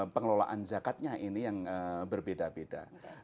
pengelolaan zakatnya ini yang berbeda beda